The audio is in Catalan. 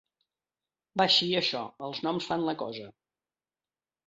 Va així, això: els noms fan la cosa.